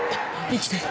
生きてる！